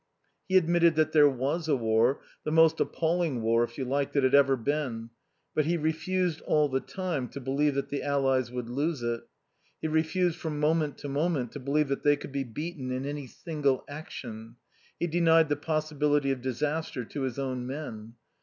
He admitted that there was a war, the most appalling war, if you liked, that had ever been; but he refused, all the time, to believe that the Allies would lose it; he refused from moment to moment to believe that they could be beaten in any single action; he denied the possibility of disaster to his own men.